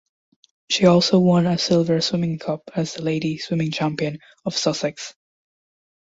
She also won a silver swimming cup as the lady swimming champion of Sussex.